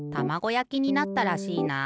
やきになったらしいな。